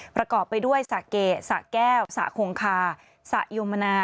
ประกอบไปด้วยศาเกศาแก้วศาโคงคาศายมนา